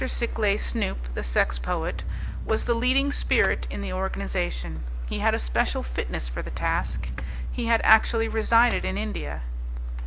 Sikleigh Snoop, the sex poet, was the leading spirit in the organization. He had a special fitness for the task: he had actually resided in India.